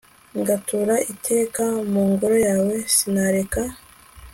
ngatura iteka mu ngoro yawe sinareka